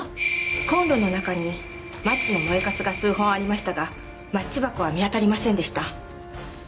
コンロの中にマッチの燃えカスが数本ありましたがマッチ箱は見当たりませんでした。